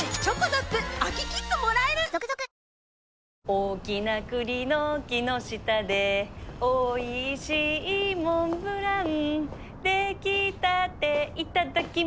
「大きな栗の木の下でおいしいモンブラン」「できたていただきます」